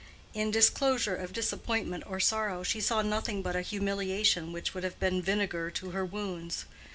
In disclosure of disappointment or sorrow she saw nothing but a humiliation which would have been vinegar to her wounds.